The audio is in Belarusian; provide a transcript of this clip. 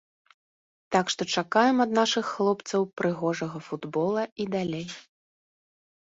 Так што чакаем ад нашых хлопцаў прыгожага футбола і далей.